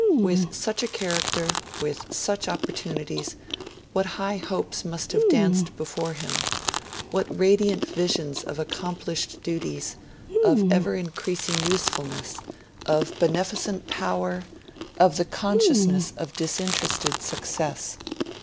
With such a character, with such opportunities, what high hopes must have danced before him, what radiant visions of accomplished duties, of ever increasing usefulness, of beneficent power, of the consciousness of disinterested success!